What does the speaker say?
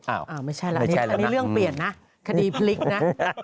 อ้าวไม่ใช่แล้วนะมีเรื่องเปลี่ยนนะคดีพลิกนะ